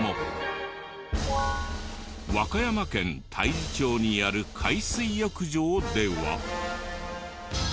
和歌山県太地町にある海水浴場では。